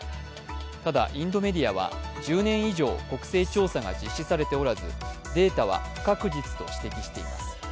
ただ、インドメディアは、１０年以上国勢調査が実施されておらず、データは不確実と指摘しています。